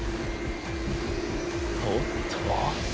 おっと？